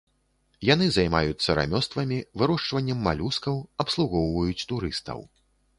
Яны займаюцца рамёствамі, вырошчваннем малюскаў, абслугоўваюць турыстаў.